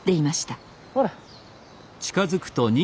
ほら。